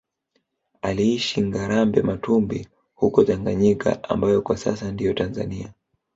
Aliishi Ngarambe Matumbi huko Tanganyika ambayo kwa sasa ndiyo Tanzania